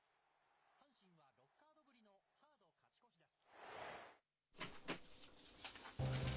阪神は６カードぶりのカード勝ち越しです。